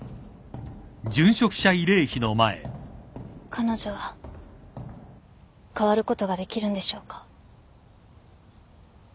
彼女は変わることができるんでしょうか？